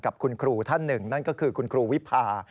กับคุณครูท่านหนึ่งนั่นก็คือคุณครูวิพา